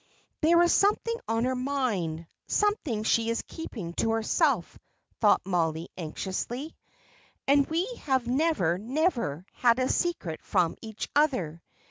"There is something on her mind, something she is keeping to herself," thought Mollie, anxiously, "and we have never, never had a secret from each other.